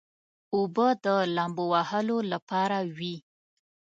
اوبه د لامبو وهلو لپاره وي.